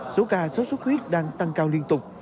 số ca sốt xuất huyết đang tăng cao liên tục